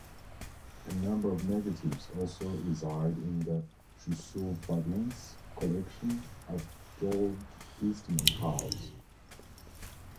A number of negatives also reside in the Chusseau-Flaviens collection at George Eastman House.